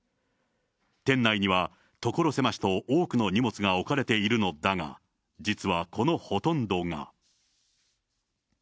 店内には所狭しと多くの荷物が置かれているのだが、実はこのほとんどが。